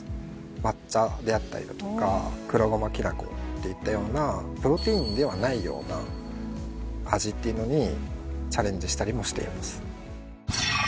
抹茶であったりだとか黒ごまきな粉っていったようなプロテインではないような味っていうのにチャレンジしたりもしています。